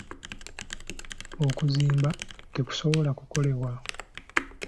Okuzimba tekusobola kukolebwa.